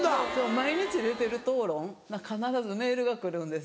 毎日出てる討論必ずメールが来るんです。